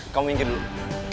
kamu inggir dulu